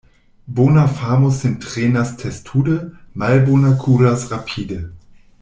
Bona famo sin trenas testude, malbona kuras rapide.